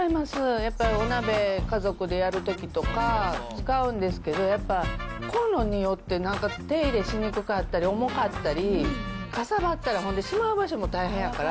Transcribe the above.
やっぱりお鍋、家族でやるときとか使うんですけど、やっぱコンロによってなんか手入れしにくかったり、重かったり、かさばったらほんで、しまう場所も大変やから、